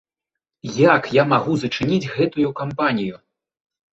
Як я магу зачыніць гэтую кампанію?